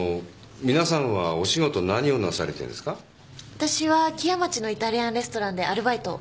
私は木屋町のイタリアンレストランでアルバイトを。